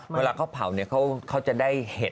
เวลาเขาเผาเขาจะได้เห็ด